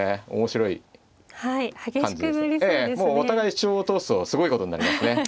ええお互い主張を通すとすごいことになりますね。